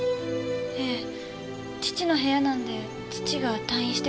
ええ父の部屋なんで父が退院してから。